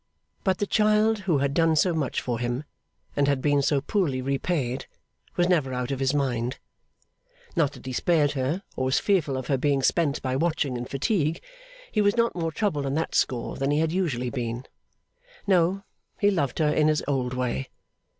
But the child who had done so much for him and had been so poorly repaid, was never out of his mind. Not that he spared her, or was fearful of her being spent by watching and fatigue; he was not more troubled on that score than he had usually been. No; he loved her in his old way.